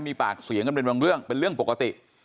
มีปากเสียงกันเป็นบางเรื่องเป็นเรื่องปกติ